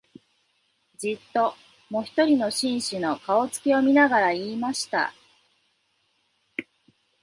じっと、もひとりの紳士の、顔つきを見ながら言いました